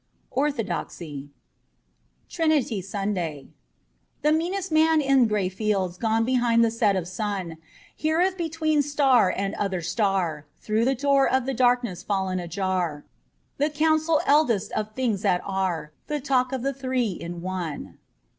* Orthodoxy.' 4»9 TRINITY SUNDAY THE meanest man in grey fields gone Behind the set of sun, Heareth between star and other star, Through the door of the darkness fallen ajar, The Council eldest of things that are, The talk of the Three in One.